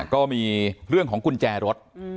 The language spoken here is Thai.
ก็มีเรื่องของกุญแจรถ